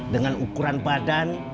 dengan ukuran badan